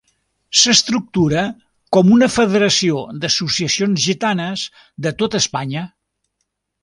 S'estructura com una federació d'associacions gitanes de tota Espanya.